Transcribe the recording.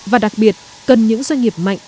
và đặc biệt cần những doanh nghiệp mạnh